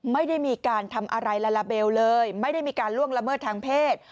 ไม่ได้มีการทำอะไรลาลาเบลเลยไม่ได้มีการล่วงละเมิดทางเพศ